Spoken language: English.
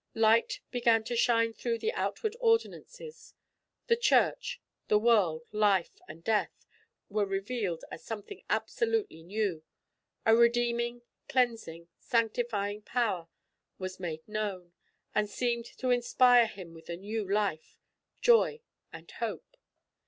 Light began to shine through the outward ordinances; the Church; the world, life, and death, were revealed as something absolutely new; a redeeming, cleansing, sanctifying power was made known, and seemed to inspire him with a new life, joy, and hope.